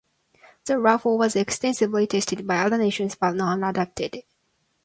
The rifle was extensively tested by other nations, but none adopted it.